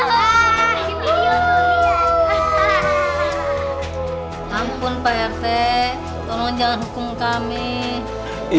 kamu tuh larinya paling